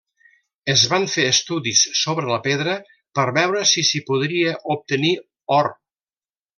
Es van fer estudis sobre la pedra per veure si s’hi podria obtenir or.